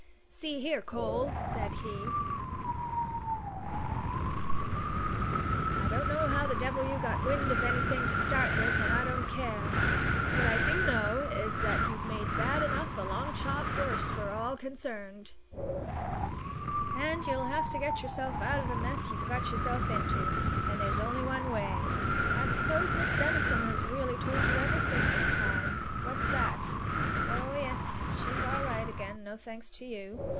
"See here, Cole," said he; "I don't know how the devil you got wind of anything to start with, and I don't care. What I do know is that you've made bad enough a long chalk worse for all concerned, and you'll have to get yourself out of the mess you've got yourself into, and there's only one way. I suppose Miss Denison has really told you everything this time? What's that? Oh, yes, she's all right again; no thanks to you.